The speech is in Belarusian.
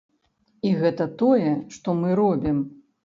І гэта тое, што мы робім.